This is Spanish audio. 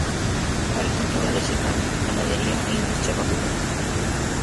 Agricultura de secano, ganadería e industria papelera.